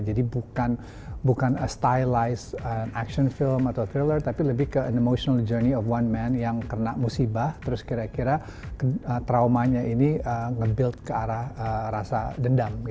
jadi bukan stylize action film atau thriller tapi lebih ke an emotional journey of one man yang kena musibah terus kira kira traumanya ini ngebuild ke arah rasa dendam